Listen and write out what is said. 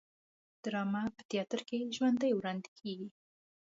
ډرامه په تیاتر کې ژوندی وړاندې کیږي